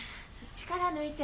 力抜いて。